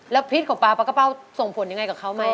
แล้วพิษของปลาปลากระเป้าส่งผลยังไงกับเขาไหม